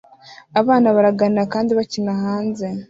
Abana baraganira kandi bakina hanze